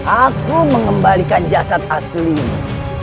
aku mengembalikan jasad aslimu